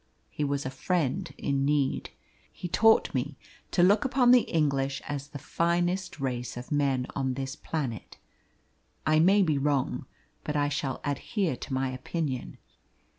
He was a friend in need. He taught me to look upon the English as the finest race of men on this planet. I may be wrong, but I shall adhere to my opinion.